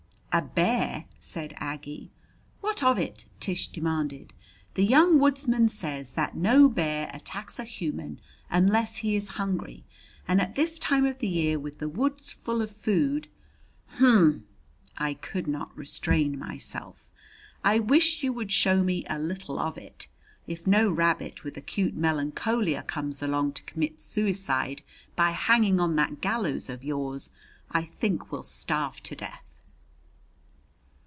"A bear!" said Aggie. "What of it?" Tish demanded. "The 'Young Woodsman' says that no bear attacks a human unless he is hungry, and at this time of the year with the woods full of food " "Humph!" I could not restrain myself "I wish you would show me a little of it. If no rabbit with acute melancholia comes along to commit suicide by hanging on that gallows of yours, I think we'll starve to death."